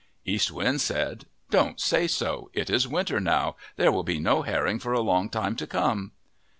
East Wind said, " Don't say so. It is winter now. There will be no herring for a long time to come."